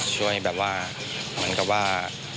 ช่วยแบบว่าเหมือนกับว่า